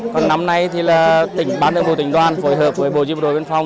còn năm nay thì là tỉnh bán được bộ tỉnh đoàn phối hợp với bộ diên bộ đội biên phòng